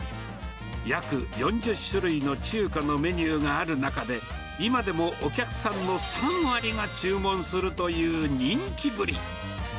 約４０種類の中華のメニューがある中で、今でもお客さんの３割が注文するという人気ぶり。